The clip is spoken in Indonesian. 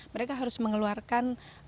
mereka harus mengeluarkan